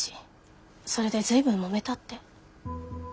それで随分揉めたって。